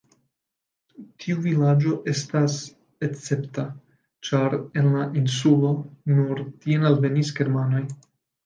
Tiu vilaĝo estas escepta, ĉar en la insulo nur tien alvenis germanoj.